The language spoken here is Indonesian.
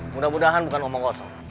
mudah mudahan bukan omong kosong